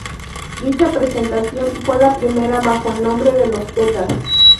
Dicha presentación fue la primera bajo el nombre de Los Tetas.